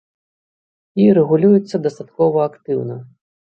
І рэгулюецца дастаткова актыўна.